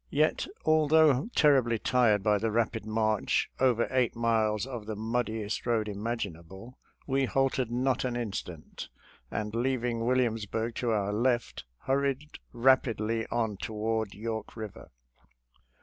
Yet although terribly tired by the rapid march over eight miles of the muddiest road imaginable, we halted not an instant, and leaving Williams burg to our left, hurried rapidly on toward York River.